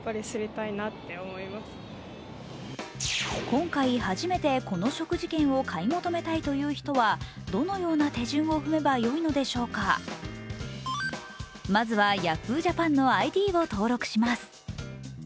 今回、初めてこの食事券を買い求めたいという人はどのような手順を踏めばよいのでしょうか。まずはＹａｈｏｏ！ＪＡＰＡＮのＩＤを登録します。